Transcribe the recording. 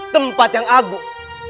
tempat yang agung